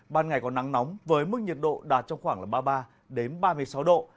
ban ngày có nắng nóng với mức nhiệt độ đạt trong khoảng ba mươi ba ba mươi sáu độ